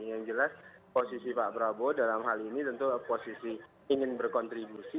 yang jelas posisi pak prabowo dalam hal ini tentu posisi ingin berkontribusi